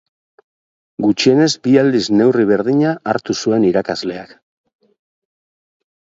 Gutxienez bi aldiz neurri berdina hartu zuen irakasleak.